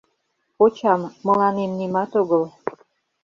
Почам, мыланем нимат огыл.